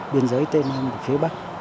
biên giới tây nam và phía bắc